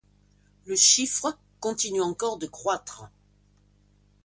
Le chiffre continue encore de croître.